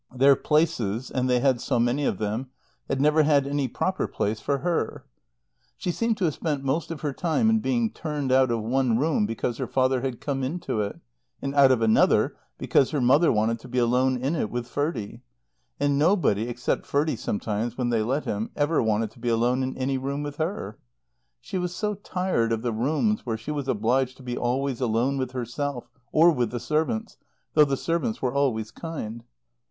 Their places (and they had had so many of them!) had never had any proper place for her. She seemed to have spent most of her time in being turned out of one room because her father had come into it, and out of another because her mother wanted to be alone in it with Ferdie. And nobody, except Ferdie sometimes, when they let him, ever wanted to be alone in any room with her. She was so tired of the rooms where she was obliged to be always alone with herself or with the servants, though the servants were always kind.